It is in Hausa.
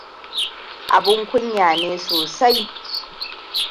Abun kunya ne sosai.